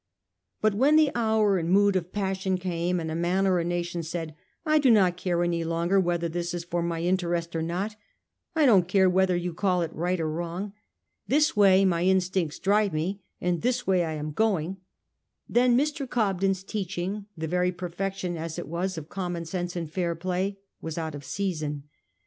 But when the hour and mood of passion came, and a man or a nation said, ' I do not care any longer whether this is for my interest or not — I don't care whether you call it right or wrong — this way my instincts drive me, and this way I am going' — then Mr. Cobden's teaching, the very perfection as it was of common sense and fair play, was out of season.